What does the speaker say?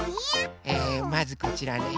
えまずこちらね